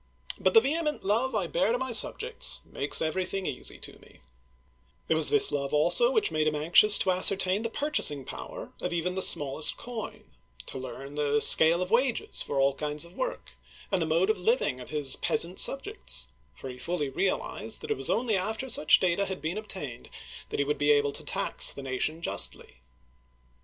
But the vehement love I bear to my subjects makes everything easy to me/* It was this love also which made him anxious to ascertain the purchasing power of even the smallest coin, to learn the scale of wages for all kinds of work, and the mode of liv ing of his peasant subjects, for he fully realized that it was only after such data had been obtained that he would be able to tax the nation justly.